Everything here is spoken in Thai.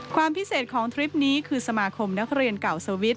ความพิเศษของทริปนี้คือสมาคมนักเรียนเก่าสวิตช